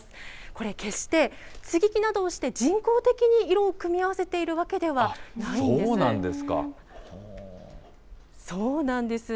これ、決して接ぎ木などをして、人工的に色を組み合わせているわそうなんですか。